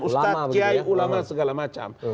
ustaz kiai ulama segala macam